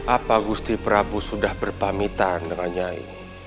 apa gusti prabu sudah berpamitan dengan yai